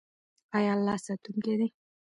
آیا الله ساتونکی دی؟